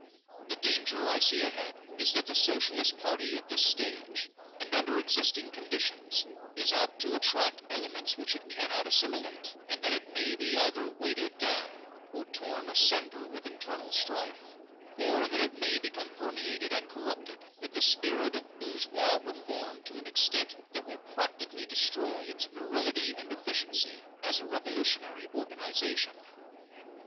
The danger I see ahead is that the Socialist party at this stage, and under existing conditions, is apt to attract elements which it cannot assimilate, and that it may be either weighted down, or torn asunder with internal strife, or that it may become permeated and corrupted with the spirit of bourgeois reform to an extent that will practically destroy its virility and efficiency as a revolutionary organization.